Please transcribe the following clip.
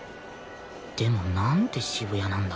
でもなんで渋谷なんだ？